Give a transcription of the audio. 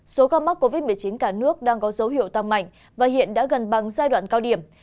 số ca mắc covid một mươi chín cả nước đang có dấu hiệu tăng mạnh và hiện đã gần bằng giai đoạn cao điểm